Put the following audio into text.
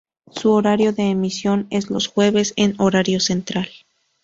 Su horario de emisión es los jueves en horario central.